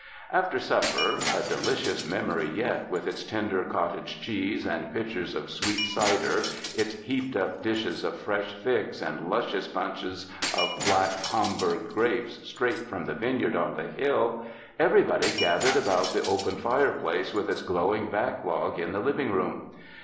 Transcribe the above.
After supper — a delicious memory yet with its tender cottage cheese and pitchers of sweet cider, its heaped up dishes of fresh figs and luscious bunches of Black Hamburg grapes straight from the vineyard on the hill — everybody gathered about the open fire place with its glowing backlog in the liv ing room.